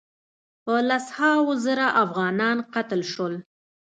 په لس هاوو زره انسانان قتل شول.